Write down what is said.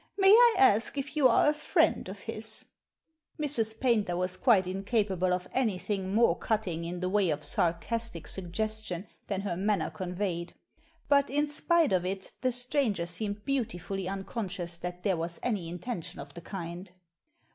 May I ask if you are a friend of his ?" Mrs. Paynter was quite incapable of anything more cutting in the way of sarcastic suggestion than her manner conveyed ; but, in spite of it, the stranger seemed beautifully unconscious that there was any intention of the kind.